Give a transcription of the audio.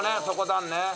そこ段ね。